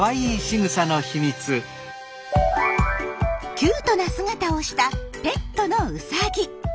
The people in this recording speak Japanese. キュートな姿をしたペットのウサギ。